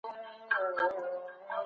تاسي په خاطر د مېلمه دا کار وکړ.